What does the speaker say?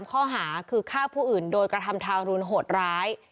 ข้อหาคือฆ่าผู้อื่นโดยกระทำทารุณโหดร้าย